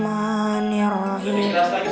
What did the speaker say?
bisa dikeras lagi suaranya sobri